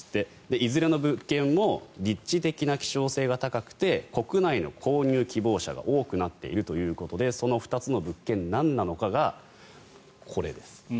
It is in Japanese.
いずれの物件も立地的な希少性が高くて国内の購入希望者が多くなっているということでその２つの物件、なんなのかがこれです。